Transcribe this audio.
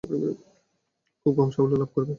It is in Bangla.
খুব কম শহর সাফল্য লাভ করে।